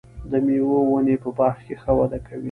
د مېوو ونې په باغ کې ښه وده کوي.